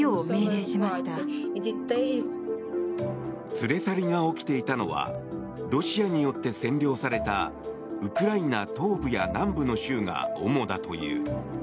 連れ去りが起きていたのはロシアによって占領されたウクライナ東部や南部の州が主だという。